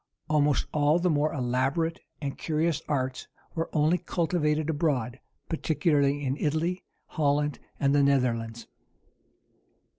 Almost all the more elaborate and curious arts were only cultivated abroad, particularly in Italy, Holland, and the Netherlands.